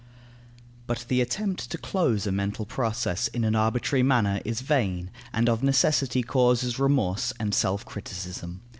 But the attempt to close a mental process in an arbitrary manner is vain, and of necessity causes remorse and self criticism.